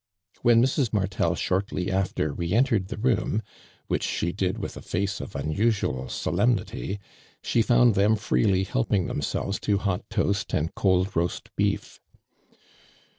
When Mrs. Martel shortly after re enter •ed the room, which she did with a face of unusual solemnity, she found them fVeely helping themselves to hot toast and cold roast beef.